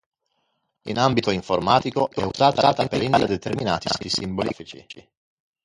In ambito informatico è usata per indicare determinati simboli grafici.